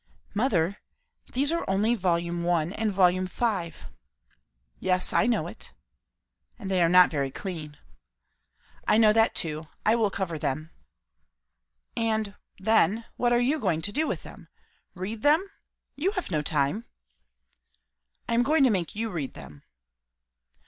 "Mother, these are only Vol. I. and Vol. V." "Yes, I know it." "And they are not very clean." "I know that too. I will cover them." "And then, what are you going to do with them? Read them? You have no time." "I am going to make you read them."